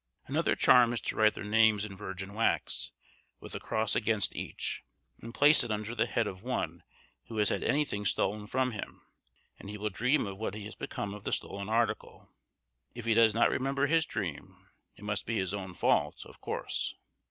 Another charm is to write their names in virgin wax, with a cross against each, and place it under the head of one who has had any thing stolen from him, and he will dream of what has become of the stolen article. If he does not remember his dream, it must be his own fault, of course.